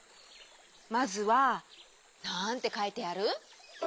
まずはなんてかいてある？